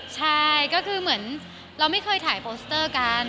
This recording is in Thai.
ใช่ก็คือเหมือนเราไม่เคยถ่ายโปสเตอร์กัน